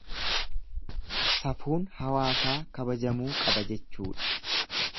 Safuun hawaasaa kabajamuu qaba jechuudha.